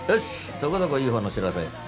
そこそこいいほうの知らせ。